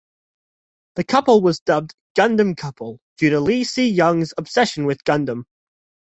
The couple was dubbed "Gundam Couple" due to Lee Si-young's obsession with Gundam.